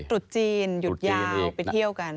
ตรุษจีนหยุดยาวไปเที่ยวกัน